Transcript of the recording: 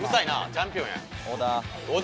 チャンピオンや。